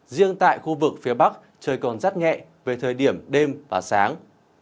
riêng tại khu vực phía bắc trời còn rắt nhẹ về thời điểm đêm và sáng